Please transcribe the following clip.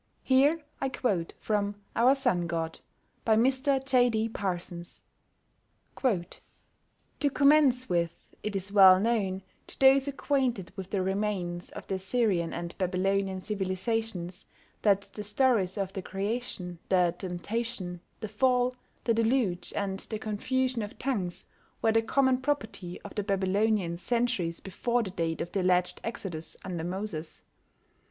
Here I quote from Our Sun God, by Mr. J. D. Parsons: To commence with, it is well known to those acquainted with the remains of the Assyrian and Babylonian civilisations that the stories of the creation, the temptation, the fall, the deluge, and the confusion of tongues were the common property of the Babylonians centuries before the date of the alleged Exodus under Moses...